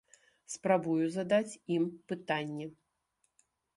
Спрабую задаць ім пытанне.